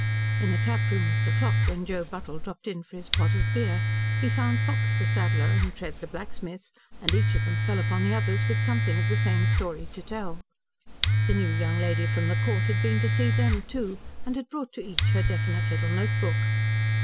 In the taproom of The Clock, when Joe Buttle dropped in for his pot of beer, he found Fox, the saddler, and Tread, the blacksmith, and each of them fell upon the others with something of the same story to tell. The new young lady from the Court had been to see them, too, and had brought to each her definite little note book.